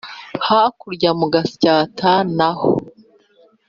hakurya mu gatsaata na hó